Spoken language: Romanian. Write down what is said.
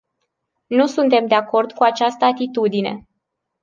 Nu suntem de acord cu această atitudine.